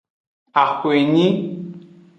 Axwenyi.